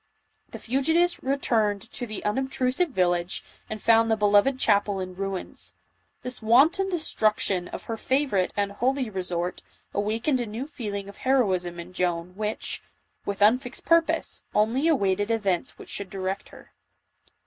The fugitives returned to the unobtrusive village and found the beloved chapel in ruins. This wanton destruction of her favorite and holy resort, awakened a new feeling of heroism in Joan which, with unfixed purpose, only awaited events which should direct her.